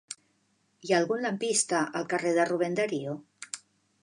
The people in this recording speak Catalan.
Hi ha algun lampista al carrer de Rubén Darío?